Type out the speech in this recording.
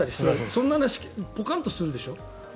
そんな話、ポカンとするでしょ。